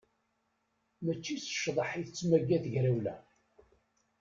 Mačči s ccḍeḥ i tettmaga tegrawla.